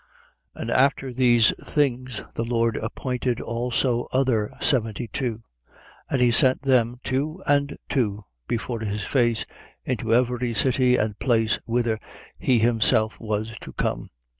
10:1. And after these things, the Lord appointed also other seventy two. And he sent them two and two before his face into every city and place whither he himself was to come.